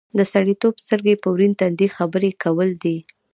د سړیتوب سترګې په ورین تندي خبرې کول دي.